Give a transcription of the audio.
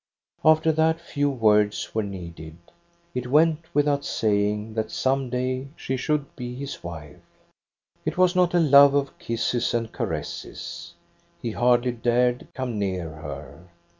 "After that few words were needed. It went without saying that some day she should be his wife. It was not a love of kisses and caresses. He hardly dared come near her.